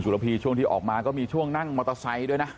ทางพิสิเคลที่ทุกคนนะคะมีความปลอบป้องแล้วก็พร้อมที่จะดูแลมาก